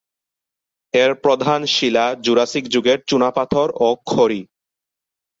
এর প্রধান শিলা জুরাসিক যুগের চুনাপাথর ও খড়ি।